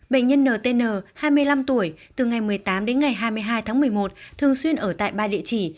bệnh nhân ntn hai mươi năm tuổi từ ngày một mươi tám đến ngày hai mươi hai tháng một mươi một thường xuyên ở tại ba địa chỉ